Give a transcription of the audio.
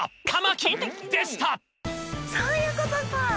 そういうことか！